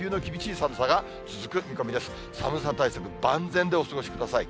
寒さ対策、万全でお過ごしください。